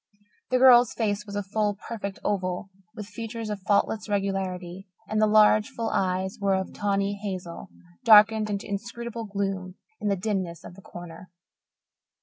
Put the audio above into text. The girl's face was a full, perfect oval, with features of faultless regularity, and the large, full eyes were of tawny hazel, darkened into inscrutable gloom in the dimness of the corner.